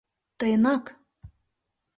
Тыйынак.